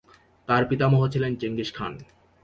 তার পিতামহ ছিলেন চেঙ্গিস খান।